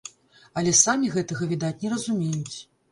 Але самі гэтага, відаць, не разумеюць.